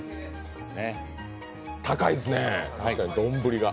高いですね、確かに丼が。